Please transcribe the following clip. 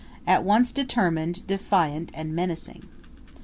at once determined, defiant, and menacing.